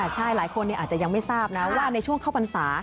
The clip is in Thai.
ใช่หลายคนอาจจะยังไม่ทราบนะว่าในช่วงเข้าพรรษา